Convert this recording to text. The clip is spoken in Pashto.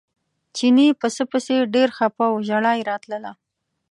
چیني پسه پسې ډېر خپه و ژړا یې راتله.